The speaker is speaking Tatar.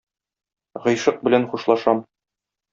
Гыйшык белән хушлашам...